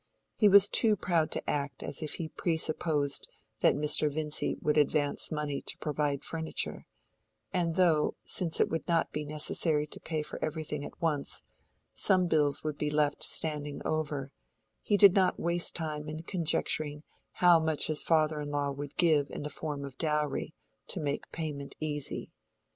He was too proud to act as if he presupposed that Mr. Vincy would advance money to provide furniture; and though, since it would not be necessary to pay for everything at once, some bills would be left standing over, he did not waste time in conjecturing how much his father in law would give in the form of dowry, to make payment easy.